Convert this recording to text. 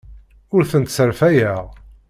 Ur tent-sserfayeɣ.